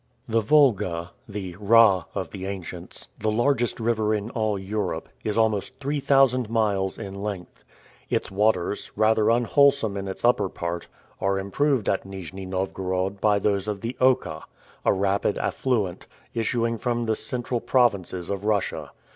The Volga, the Rha of the ancients, the largest river in all Europe, is almost three thousand miles in length. Its waters, rather unwholesome in its upper part, are improved at Nijni Novgorod by those of the Oka, a rapid affluent, issuing from the central provinces of Russia.